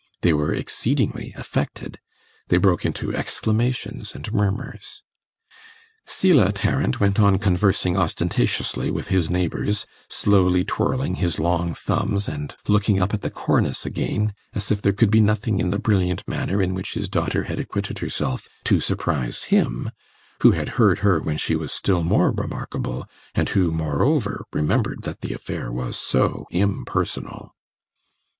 They were exceedingly affected; they broke into exclamations and murmurs. Selah Tarrant went on conversing ostentatiously with his neighbours, slowly twirling his long thumbs and looking up at the cornice again, as if there could be nothing in the brilliant manner in which his daughter had acquitted herself to surprise him, who had heard her when she was still more remarkable, and who, moreover, remembered that the affair was so impersonal.